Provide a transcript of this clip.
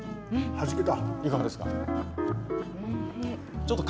はじけた。